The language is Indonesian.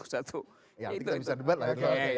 ya nanti kita bisa debat lah ya